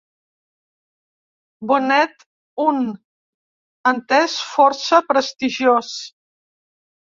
Bonet, un entès força prestigiós.